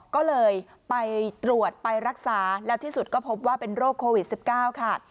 ก็เลยไปตรวจไปรักษาแล้วที่สุดก็พบว่าเป็นโรคโควิด๑๙ค่ะ